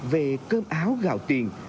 về cơm áo gạo tiền